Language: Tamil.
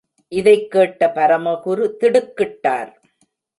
இதைக் கேட்ட பரமகுரு திடுக்கிட்டார்.